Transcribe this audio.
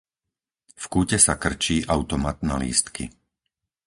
V kúte sa krčí automat na lístky.